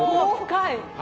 深い。